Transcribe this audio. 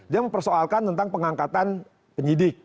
dia mempersoalkan tentang pengangkatan penyidik